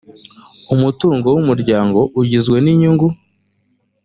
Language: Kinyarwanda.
umutungo w umuryango ugizwe n inyungu